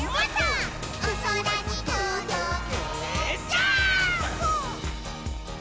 「おそらにとどけジャンプ！！」